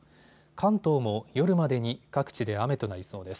関東も夜までに各地で雨となりそうです。